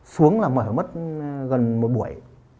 xuống là mở mất gần một buổi